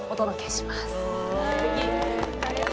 すてき。